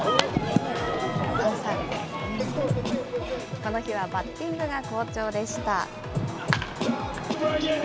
この日はバッティングが好調でした。